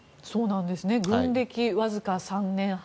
軍歴わずか３年半。